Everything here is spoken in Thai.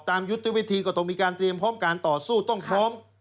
ตามยุทธวิธีกระตูมีการพร้อมการตอบสู้ต้องพร้อม